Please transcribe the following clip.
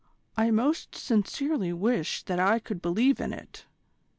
I most sincerely wish that I could believe in it.